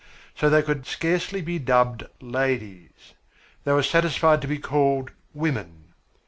So they could scarcely be dubbed "ladies." They were satisfied to be called "women."